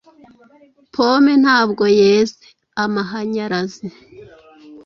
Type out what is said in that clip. Pome ntabwo yezeAmahanyarazi